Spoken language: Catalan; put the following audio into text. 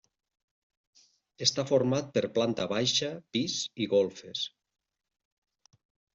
Està format per planta baixa, pis i golfes.